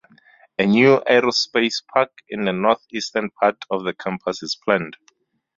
A new Aerospace Park on the north-eastern part of the campus is planned.